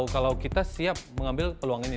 kalau kita siap mengambil peluang ini